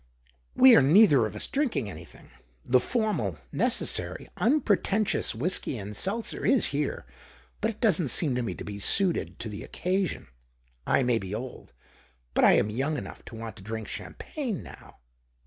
" We are neither of us drinking anything. The formal, necessary, unpre tentious whisky and seltzer is here, but it doesn't seem to me to be suited to the occasioii. I may be old, but I am young 118 THE OCTAVE OF CLAUDIUS. enough to want to drink champagne now.